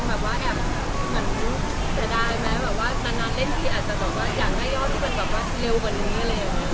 แม้ประมาณนั้นที่เล่นพี่อาจจะอยากได้ย้อนที่เป็นเร็วกันอย่างนี้เลย